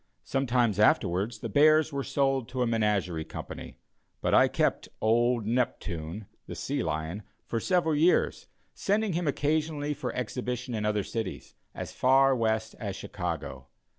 Some time afterwards the bears were sold to a menagerie company, but I kept "old Neptune," the sea lion, for several years, sending him occasionally for exhibition in other cities, as far west as Chicago.